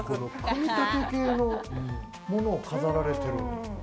組み立て系のものを飾られてる。